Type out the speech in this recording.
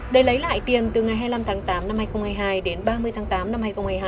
để lấy lại tiền từ ngày hai mươi năm tháng tám năm hai nghìn hai mươi hai đến ba mươi tháng tám năm hai nghìn hai mươi hai